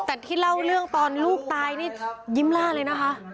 แต่ที่เล่าเรื่องตอนลูกตายนี่ยิ้มล่าเลยนะคะ